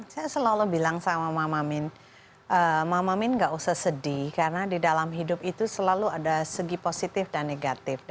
saya selalu bilang sama mama min mama min gak usah sedih karena di dalam hidup itu selalu ada segi positif dan negatif